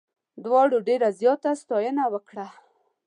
دواړو ډېره زیاته ستاینه وکړه.